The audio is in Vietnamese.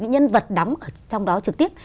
nhân vật đắm trong đó trực tiếp